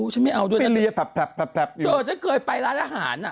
จะเกิดไปร้านอาหาร